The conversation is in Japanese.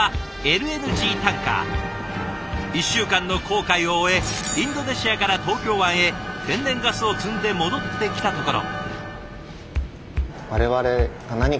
１週間の航海を終えインドネシアから東京湾へ天然ガスを積んで戻ってきたところ。